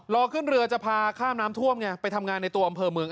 รอขึ้นเรือจะพาข้ามน้ำท่วมไงไปทำงานในตัวอำเภอเมือง